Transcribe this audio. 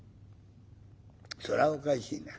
「それはおかしいな。